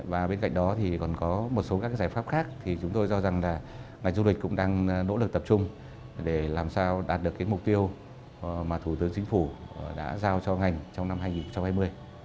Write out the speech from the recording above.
và bên cạnh đó thì còn có một số các giải pháp khác thì chúng tôi cho rằng là ngành du lịch cũng đang nỗ lực tập trung để làm sao đạt được cái mục tiêu mà thủ tướng chính phủ đã giao cho ngành trong năm hai nghìn hai mươi